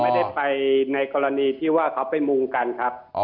ไม่ได้ไปในกรณีที่ว่าเขาไปมุงกันครับ